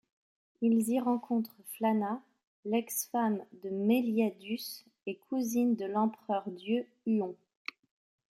Ils y rencontrent Flana, l’ex-femme de Meliadus et cousine de l'empereur-dieu Huon.